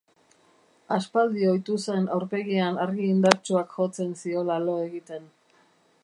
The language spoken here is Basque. Aspaldi ohitu zen aurpegian argi indartsuak jotzen ziola lo egiten.